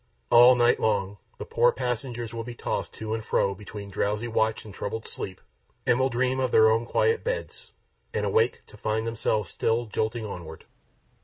All night long, the poor passengers will be tossed to and fro between drowsy watch and troubled sleep, and will dream of their own quiet beds, and awake to find themselves still jolting onward.